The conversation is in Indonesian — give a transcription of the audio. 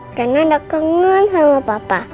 karena udah kangen sama papa